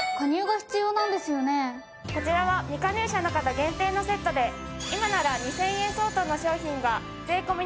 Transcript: こちらは未加入者の方限定のセットで今なら２０００円相当の商品が税込み７８０円